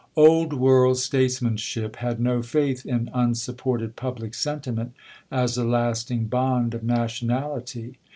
Old World statesmanship had no faith in unsupported public sentiment as a lasting bond of nationality.